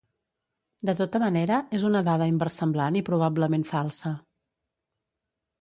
De tota manera, és una dada inversemblant i probablement falsa.